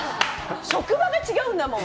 職場が違うんだもん。